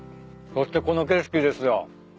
そしてこの景色ですよ。